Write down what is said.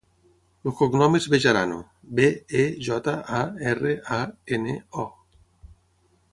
El cognom és Bejarano: be, e, jota, a, erra, a, ena, o.